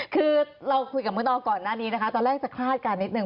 คือเราคุยกับเมื่อตอนก่อนหน้านี้นะคะตอนแรกจะคาดการณนิดนึ